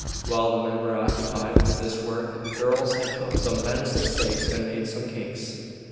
While the men were occupied with this work the girls had cooked some venison steaks and made some cakes.